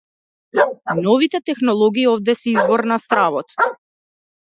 Новите технологии овде се извор на стравот.